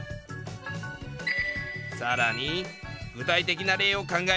さらに具体的な例を考える。